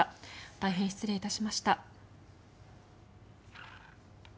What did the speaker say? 大変失礼いたしました。